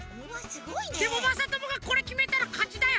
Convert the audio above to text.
でもまさともがこれきめたらかちだよ。